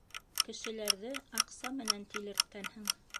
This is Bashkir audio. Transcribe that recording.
Кешеләрҙе аҡса менән тилерткәнһең.